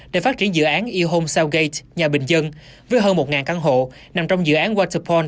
để phát triển dự án e home southgate nhà bình dân với hơn một căn hộ nằm trong dự án waterpond